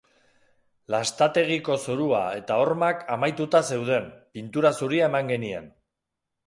Lastategiko zorua eta hormak amaituta zeuden, pintura zuria eman genien.